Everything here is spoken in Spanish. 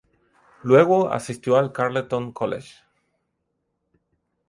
Luego asistió al Carleton College.